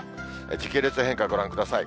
時系列変化、ご覧ください。